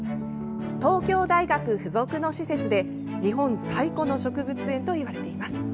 東京大学付属の施設で日本最古の植物園といわれています。